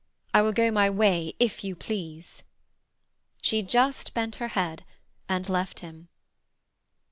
I will go my way, if you please." She just bent her head, and left him.